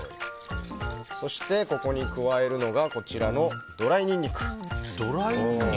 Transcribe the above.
そして、ここに加えるのがドライニンニク。